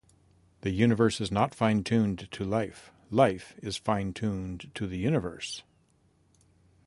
The Universe is not fine-tuned to life; life is fine-tuned to the Universe.